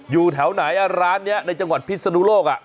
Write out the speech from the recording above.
อยู่แถวไหนร้านนี้ในจังหวัดพิศนุโลก